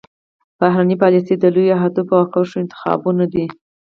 بهرنۍ پالیسي د لویو اهدافو او کرښو انتخاب دی